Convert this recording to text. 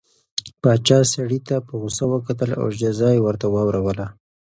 پاچا سړي ته په غوسه وکتل او جزا یې ورته واوروله.